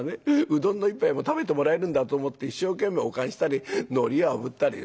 うどんの一杯も食べてもらえるんだと思って一生懸命お燗したりのりあぶったり」。